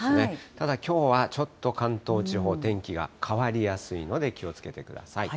ただ、きょうはちょっと関東地方、天気が変わりやすいので気をつけてください。